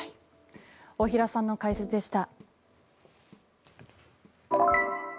大平さんの解説でした。